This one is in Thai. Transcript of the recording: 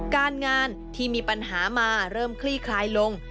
การงานที่มีปัญหามาเริ่มคลี่คลายลง